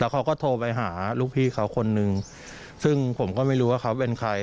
เขาก็โทรไปหาลูกพี่เขาคนนึงซึ่งผมก็ไม่รู้ว่าเขาเป็นใคร